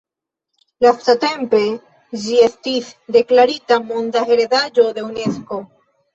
Lastatempe ĝi estis deklarita Monda heredaĵo de Unesko.